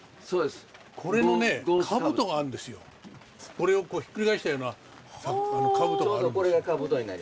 これをひっくり返したような兜があるんですね。